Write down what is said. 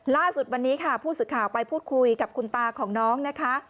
ล่าสุดวันนี้ค่ะผู้สื่อข่าวไปพูดคุยกับคุณตาของน้องนะคะ